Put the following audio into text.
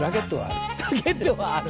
ラケットはある。